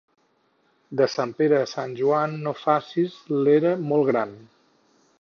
De sant Pere a sant Joan no faces l'era molt gran.